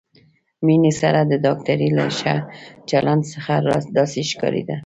مينې سره د ډاکټرې له ښه چلند څخه داسې ښکارېده.